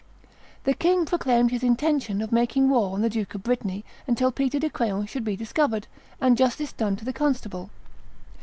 The king proclaimed his intention of making war on the Duke of Brittany until Peter de Craon should be discovered, and justice done to the constable.